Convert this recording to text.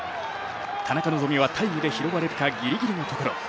田中希実はタイムで拾われるかギリギリのところ。